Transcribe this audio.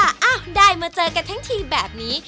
อ้าวได้มาเจอกันทั้งทีแบบนี้